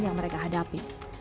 yang terjadi di luar negara